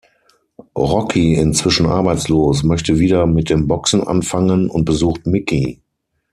Rocky, inzwischen arbeitslos, möchte wieder mit dem Boxen anfangen und besucht Mickey.